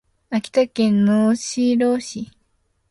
秋田県能代市